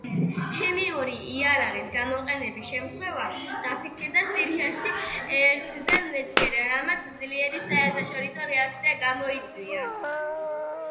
ქიმიური იარაღის გამოყენების შემთხვევა დაფიქსირდა სირიაში ერთზე მეტჯერ, რამაც ძლიერი საერთაშორისო რეაქცია გამოიწვია.